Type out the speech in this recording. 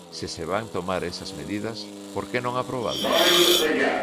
Se se van tomar esas medidas, ¿por que non aprobalo?